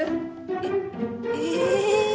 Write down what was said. えっえ。